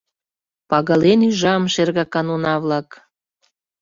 — Пагален ӱжам, шергакан уна-влак!